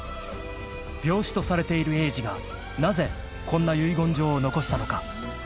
［病死とされている栄治がなぜこんな遺言状を残したのか？］